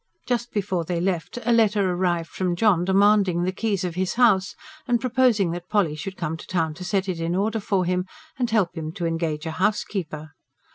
Just before they left, a letter arrived from John demanding the keys of his house, and proposing that Polly should come to town to set it in order for him, and help him to engage a housekeeper.